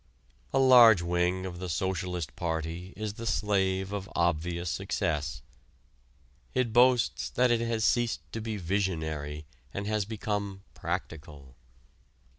A large wing of the Socialist Party is the slave of obvious success. It boasts that it has ceased to be "visionary" and has become "practical."